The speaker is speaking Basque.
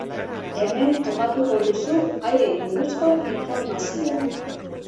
Hemen topatuko duzu haiei buruzko informazioa.